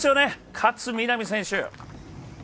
勝みなみ選手。